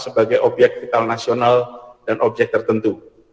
sebagai obyek vital nasional dan objek tertentu